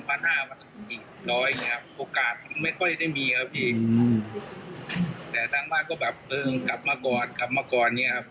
มีโอกาสไม่ค่อยได้มีครับพี่แต่ทางมาก็แบบแต่งกลับมาก่อนกลับมาก่อนนี้ครับ